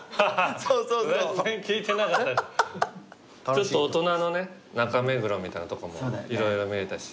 ちょっと大人のね中目黒みたいなとこも色々見れたし。